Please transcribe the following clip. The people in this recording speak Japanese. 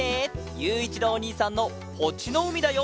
ゆういちろうおにいさんのポチのうみだよ。